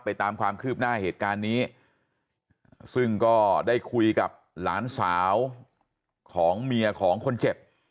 ตามความคืบหน้าเหตุการณ์นี้ซึ่งก็ได้คุยกับหลานสาวของเมียของคนเจ็บ